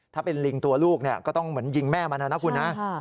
ถ้าเป็นลิงตัวลูกก็ต้องเหมือนยิงแม่มันนะคุณนะ